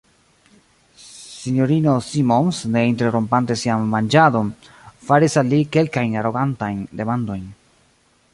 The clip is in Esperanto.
S-ino Simons, ne interrompante sian manĝadon, faris al li kelkajn arogantajn demandojn.